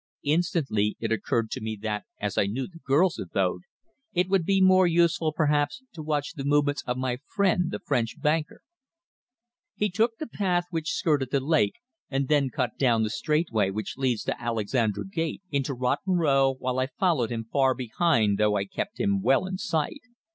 Instantly it occurred to me that, as I knew the girl's abode, it would be more useful perhaps to watch the movements of my friend the French banker. He took the path which skirted the lake, and then cut down the straight way which leads to Alexandra Gate into Rotten Row, while I followed him far behind though I kept him well in sight.